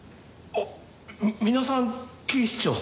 あっ皆さん警視庁？